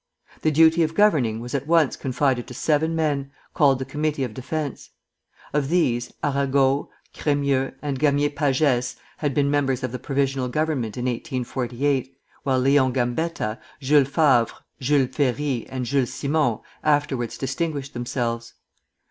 The duty of governing was at once confided to seven men, called the Committee of Defence. Of these, Arago, Crémieux, and Gamier Pagès had been members of the Provisional Government in 1848, while Léon Gambetta, Jules Favre, Jules Ferry, and Jules Simon afterwards distinguished themselves.